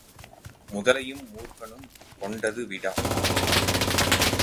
முதலையும் மூர்க்கனும் கொண்டது விடா